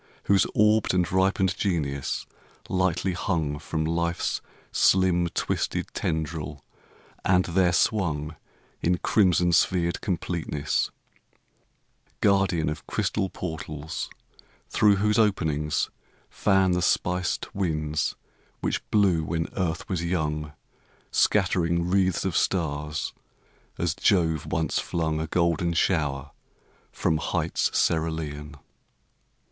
Whose orbed and ripened genius lightly hung From life's slim, twisted tendril and there swung In crimson sphered completeness; guardian Of crystal portals through whose openings fan The spiced winds which blew when earth was young, Scattering wreaths of stars, as Jove once flung A golden shower from heights cerulean.